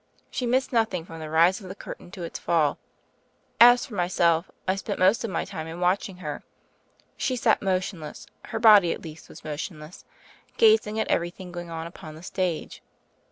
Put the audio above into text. She missed nothing from the rise of the curtain to its fall. As for myself, I spent most of my time in watching her. She sat motionless — her body, at least, was motionless — gazing at everything going on upon the stage.